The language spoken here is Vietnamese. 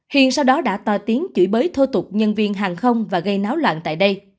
hiền sau đó đã to tiếng chửi bới thô tục nhân viên hàng không và gây náo loạn tại đây